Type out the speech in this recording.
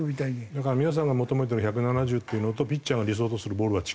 だから皆さんが求めている１７０っていうのとピッチャーが理想とするボールは違うので。